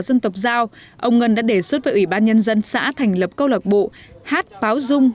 dân tộc giao ông ngân đã đề xuất với ủy ban nhân dân xã thành lập câu lạc bộ hát báo dung